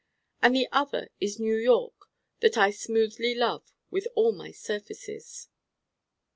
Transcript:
And the other is New York that I smoothly love with all my surfaces.